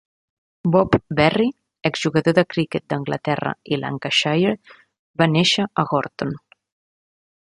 Bob Berry, exjugador de cricket d'Anglaterra i Lancashire, va néixer a Gorton.